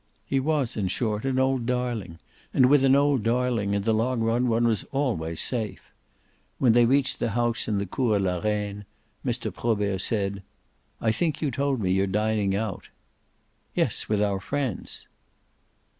He was in short an old darling, and with an old darling in the long run one was always safe. When they reached the house in the Cours la Reine Mr. Probert said: "I think you told me you're dining out." "Yes, with our friends."